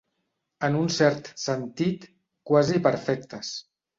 En un cert sentit, quasi perfectes.